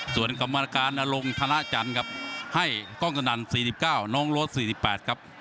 ส่วนกรรมนาการอารมณ์ธนาจันครับให้กล้องสนั่นสี่ดิบเก้าน้องโรสสี่ดิบแปดครับ